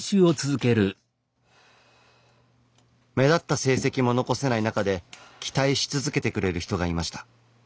目立った成績も残せないなかで期待し続けてくれる人がいました。